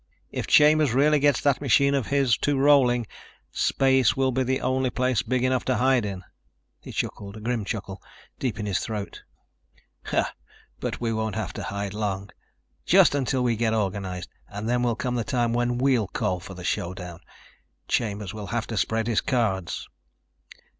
If Chambers really gets that machine of his to rolling, space will be the only place big enough to hide in." He chuckled, a grim chuckle, deep in his throat. "But we won't have to hide long. Just until we get organized and then will come the time when we'll call for the showdown. Chambers will have to spread his cards."